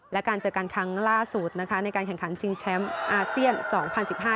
และการเจอกันครั้งล่าสุดนะคะในการแข่งขันชิงแชมป์อาเซียนสองพันสิบห้า